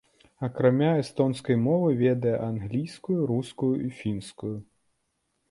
Акрамя эстонскай мовы ведае англійскую, рускую і фінскую.